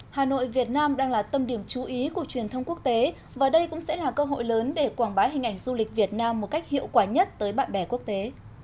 hà nội việt nam đang là tâm điểm chú ý của truyền thông quốc tế và đây cũng sẽ là cơ hội lớn để quảng bá hình ảnh du lịch việt nam một cách hiệu quả nhất tới bạn bè quốc tế